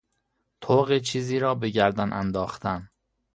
طوق چیزی را بگردن انداختن